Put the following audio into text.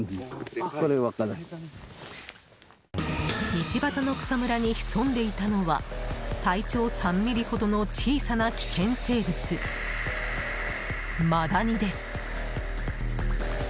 道端の草むらに潜んでいたのは体長３ｍｍほどの小さな危険生物マダニです。